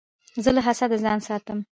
زه له حسده ځان ساتم.